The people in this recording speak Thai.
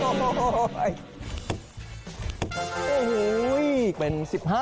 โอ้โหเป็น๑๕